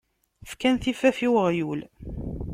Fkan tiffaf i uɣyul.